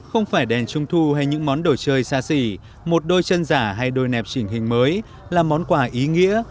không phải đèn trung thu hay những món đồ chơi xa xỉ một đôi chân giả hay đôi nẹp trình hình mới là món quà ý nghĩa